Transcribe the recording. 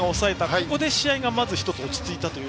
ここで試合がまず１つ落ち着いたという。